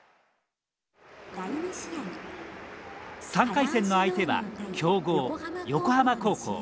３回戦の相手は強豪横浜高校。